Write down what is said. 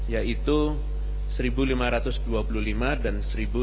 yaitu seribu lima ratus dua puluh lima dan seribu lima ratus delapan belas